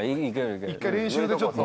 １回練習でちょっと。